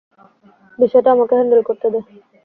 বিষয়টা আমাকে হ্যান্ডেল করতে দে।